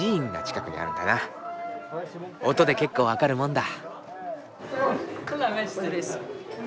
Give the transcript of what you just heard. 音で結構分かるもんだ。